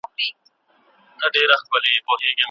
كه پر مځكه شيطانان وي او كه نه وي